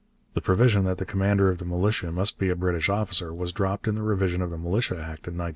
The provision that the commander of the militia must be a British officer was dropped in the revision of the Militia Act in 1904.